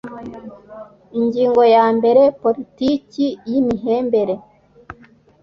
ingingo ya mbere politiki y imihembere